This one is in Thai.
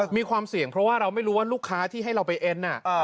มีความเสี่ยงเพราะว่าเราไม่รู้ว่าลูกค้าที่ให้เราไปเอ็น